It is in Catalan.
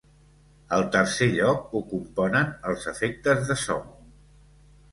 El tercer lloc ho componen els efectes de so.